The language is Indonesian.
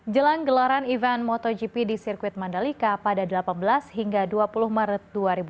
jelang gelaran event motogp di sirkuit mandalika pada delapan belas hingga dua puluh maret dua ribu dua puluh